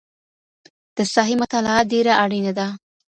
د ساحې مطالعه ډېره اړینه ده.